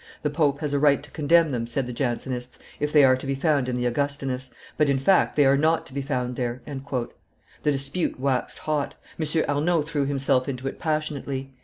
"The pope has a right to condemn them," said the Jansenists, "if they are to be found in the Augustinus, but, in fact, they are not to be found there." The dispute waxed hot; M. Arnauld threw himself into it passionately.